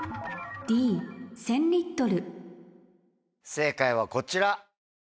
正解はこちら。